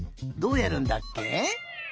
どうやるんだっけ？